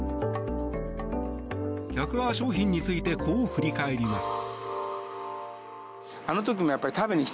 客は、商品についてこう振り返ります。